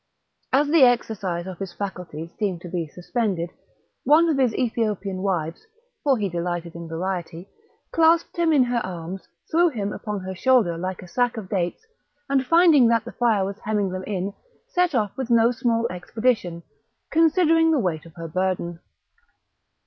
As the exercise of his faculties seemed to be suspended, one of his Ethiopian wives (for he delighted in variety) clasped him in her arms, threw him upon her shoulder like a sack of dates, and finding that the fire was hemming them in, set off with no small expedition, considering the weight of her burden.